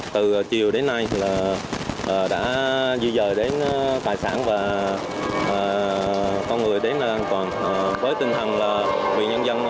từ chiều đến nay